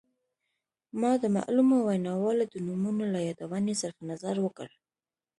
ما د معلومو ویناوالو د نومونو له یادونې صرف نظر وکړ.